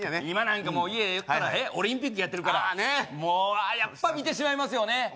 今なんか家やったらオリンピックやってるからああねっもうやっぱ見てしまいますよね